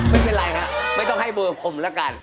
ไม่เป็นไรครับไม่ต้องให้เบอร์ผมแล้วกัน